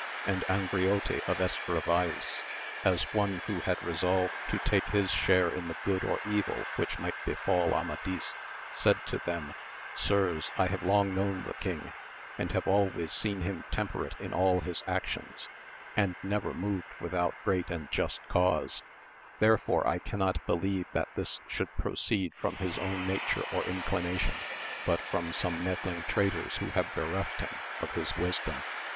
And Angriote of Estravaus, as one who had resolved to take his share in the good or evil which might befall Amadis, said to them, Sirs, I have long known the king, and have always seen him temperate in all his actions, and never moved without great and just cause, there fore I cannot believe that this should proceed from his own nature or inclination, but from some meddling traitors who have bereft him of his wisdom.